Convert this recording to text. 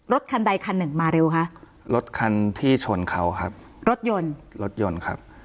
คันใดคันหนึ่งมาเร็วคะรถคันที่ชนเขาครับรถยนต์รถยนต์ครับ